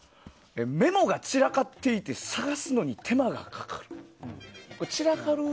メモが散らかっていて探すのに手間がかかる。